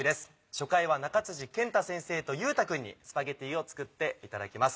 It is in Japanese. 初回は中辻健太先生と結太くんにスパゲティを作っていただきます。